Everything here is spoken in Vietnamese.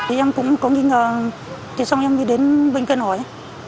em cũng có nghi ngờ xong em mới đến bên kia nói